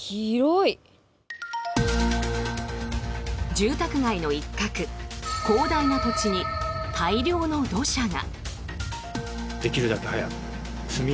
住宅街の一角、広大な土地に大量の土砂が。